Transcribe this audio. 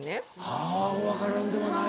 あぁ分からんではない。